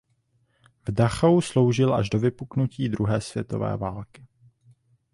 V Dachau sloužil až do vypuknutí druhé světové války.